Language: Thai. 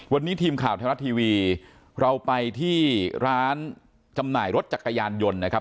วันนี้ทีมข่าวไทยรัฐทีวีเราไปที่ร้านจำหน่ายรถจักรยานยนต์นะครับ